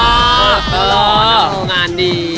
อย่างน้อยงานดี